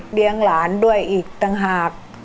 เลี้ยงหลานด้วยอีกตั้งหาก